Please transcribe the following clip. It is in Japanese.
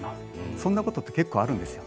そんなことって結構あるんですよ。